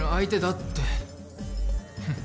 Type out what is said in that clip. フッ。